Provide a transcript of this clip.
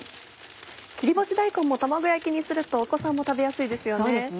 切り干し大根も卵焼きにするとお子さんも食べやすいですよね。